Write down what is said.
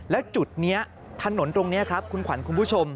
แล้วจุดนี้ถนนตรงนี้ครับคุณขวัญคุณผู้ชม